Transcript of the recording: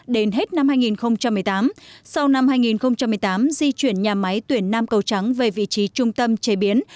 đến hết năm hai nghìn một mươi tám sau năm hai nghìn một mươi tám di chuyển nhà máy tuyển nam cầu trắng về vị trí trung tâm chế biến